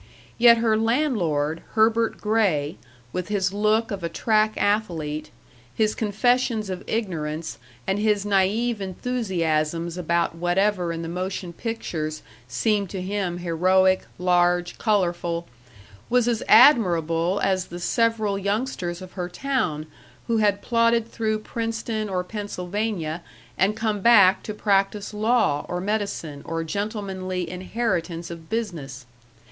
Yet her landlord, Herbert Gray, with his look of a track athlete, his confessions of ignorance and his naïve enthusiasms about whatever in the motion pictures seemed to him heroic, large, colorful, was as admirable as the several youngsters of her town who had plodded through Princeton or Pennsylvania and come back to practise law or medicine or gentlemanly inheritance of business.